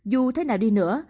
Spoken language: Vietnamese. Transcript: dù thế nào đi nữa